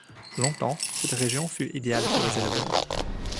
Longtemps, cette région fut idéale pour les éleveurs.